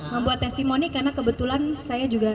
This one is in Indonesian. membuat testimoni karena kebetulan saya juga